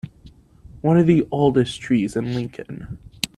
One of the oldest trees in Lincoln.